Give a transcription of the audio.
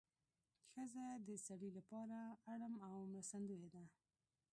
ښځه د سړي لپاره اړم او مرستندویه ده